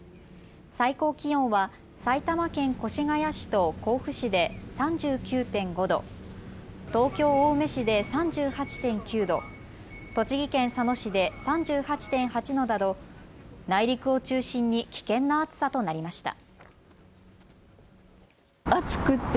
最高気温は埼玉県越谷市と甲府市で３９．５度、東京青梅市で３８．９度、栃木県佐野市で３８．８度など内陸を中心に危険な暑さとなりました。